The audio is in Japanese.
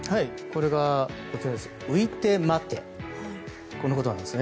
これが、浮いてまて！